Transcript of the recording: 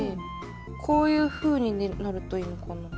こういうふうになるといいのかな？